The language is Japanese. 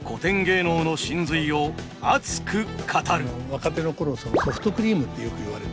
若手の頃ソフトクリームってよく言われて。